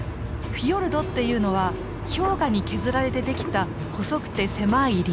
フィヨルドっていうのは氷河に削られてできた細くて狭い入り江。